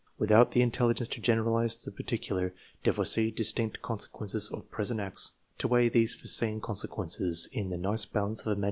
Without the intelligence to generalize the particular, to foresee distant consequences of present acts, to weigh these foreseen consequences in the nice balance of imagina i II.